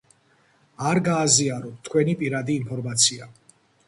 არ გააზიაროთ თქვენი პირადი იფორმაცია.